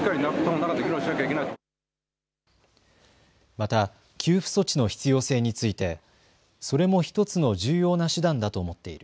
また給付措置の必要性についてそれも１つの重要な手段だと思っている。